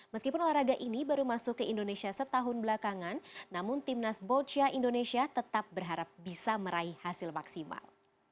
meskipun olahraga ini baru masuk ke indonesia setahun belakangan namun timnas boccia indonesia tetap berharap bisa meraih hasil maksimal